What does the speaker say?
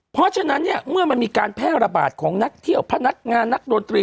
เพราะฉะนั้นเนี่ยเมื่อมันมีการแพร่ระบาดของนักเที่ยวพนักงานนักดนตรี